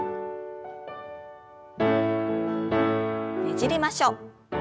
ねじりましょう。